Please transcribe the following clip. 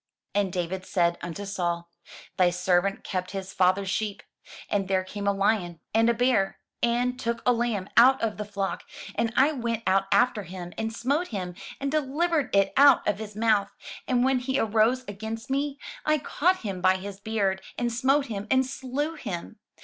And David said unto Saul, "Thy servant kept his father's sheep, and there came a lion, and a bear, and took a lamb out of the flock: and I went out after him, and smote him, and delivered it out of his mouth: and when he arose against me, I caught him by his beard, and smote him, and slew him.